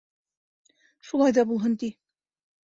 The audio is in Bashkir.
Шулай ҙа булһын ти.